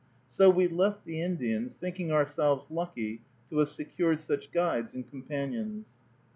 So we left the Indians, thinking ourselves lucky to have secured such guides and companions.